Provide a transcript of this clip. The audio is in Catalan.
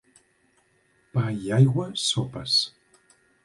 Pa i aigua, sopes.